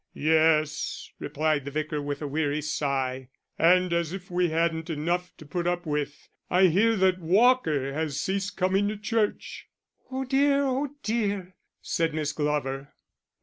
"Yes," replied the Vicar, with a weary sigh; "and as if we hadn't enough to put up with, I hear that Walker has ceased coming to church." "Oh dear, oh dear!" said Miss Glover.